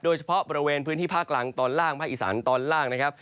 โดยเฉพาะบริเวณพื้นที่ภาคกลางตอนล่างภาคอีสานตอนล่างนะครับ